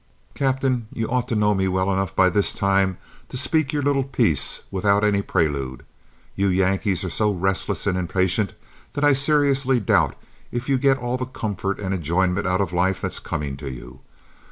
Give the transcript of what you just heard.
Captain, you ought to know me well enough by this time to speak your little piece without any prelude. You Yankees are so restless and impatient that I seriously doubt if you get all the comfort and enjoyment out of life that's coming to you.